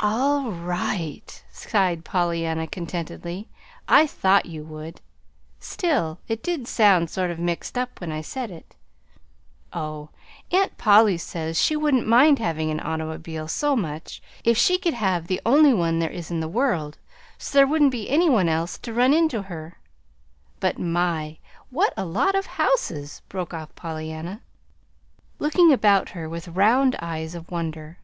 "All right," sighed Pollyanna contentedly. "I thought you would; still, it did sound sort of mixed when I said it. Oh, Aunt Polly says she wouldn't mind having an automobile, so much, if she could have the only one there was in the world, so there wouldn't be any one else to run into her; but My! what a lot of houses!" broke off Pollyanna, looking about her with round eyes of wonder.